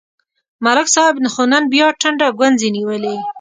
ملک صاحب خو نن بیا ټنډه گونځې نیولې